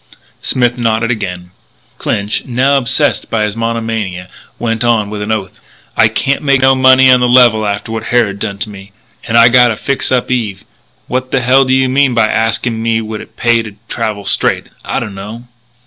Smith nodded again. Clinch, now obsessed by his monomania, went on with an oath: "I can't make no money on the level after what Harrod done to me. And I gotta fix up Eve. What the hell do you mean by asking me would it pay me to travel straight I dunno."